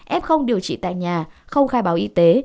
ép không điều trị tại nhà không khai báo y tế